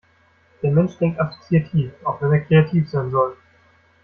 Der Mensch denkt assoziativ, auch wenn er kreativ sein soll.